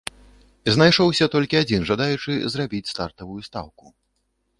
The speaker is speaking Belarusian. Знайшоўся толькі адзін жадаючы зрабіць стартавую стаўку.